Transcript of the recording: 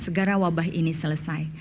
segera wabah ini selesai